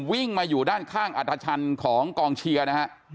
วิ่งมาอยู่ด้านข้างอัธชันของกองเชียร์นะฮะ